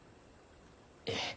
ええ。